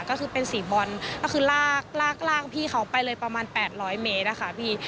ก็คือเป็นสีบอลแล้วก็คือลากพี่เขาไปเลยประมาณ๘๐๐เมตรค่ะพี่